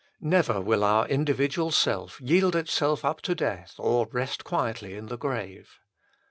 Never will our individual self yield itself up to death or rest quietly in the grave.